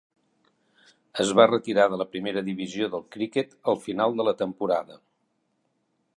Es va retirar de la primera divisió del criquet al final de la temporada.